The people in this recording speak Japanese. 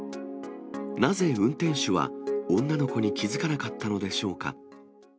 なぜ運転手は女の子に気付かなかったのでしょうか。